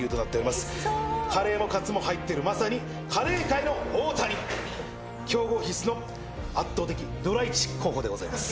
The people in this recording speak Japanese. カレーもカツも入っているまさにカレー界の大谷。競合必須の圧倒的ドラ１候補でございます。